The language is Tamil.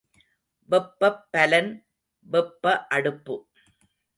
வெப்பப்பலன் வெப்ப அடுப்பு.